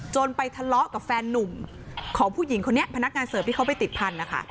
ไปทะเลาะกับแฟนนุ่มของผู้หญิงคนนี้พนักงานเสิร์ฟที่เขาไปติดพันธุ์นะคะ